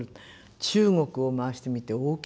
中国を回してみて大きな国。